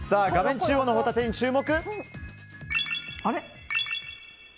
中央のホタテに注目。